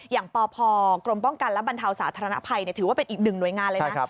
อย่างปพกรมป้องกันและบรรเทาสาธารณภัยถือว่าเป็นอีกหนึ่งหน่วยงานเลยนะ